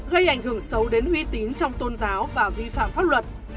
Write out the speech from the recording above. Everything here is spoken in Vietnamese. gây ảnh hưởng xấu đến uy tín trong tôn giáo và vi phạm pháp luật